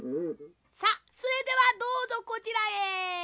さっそれではどうぞこちらへ。